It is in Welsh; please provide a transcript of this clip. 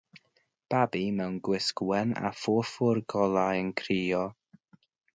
Babi mewn gwisg wen a phorffor golau yn crio